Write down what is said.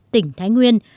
tỉnh thái nguyên